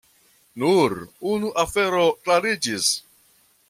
Nur unu afero klariĝis.